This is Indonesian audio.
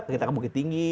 kita ke bukit tinggi